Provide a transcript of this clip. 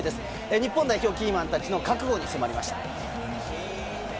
日本代表のキーマンたちの覚悟に迫りました。